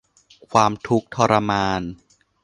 ความทุกข์ทรมาน